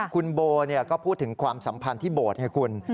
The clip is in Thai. คุณโบก็พูดถึงความสัมพันธ์ที่โบสถ์ให้คุณ